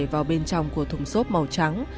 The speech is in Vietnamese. vào bên trong của thùng xốp màu trắng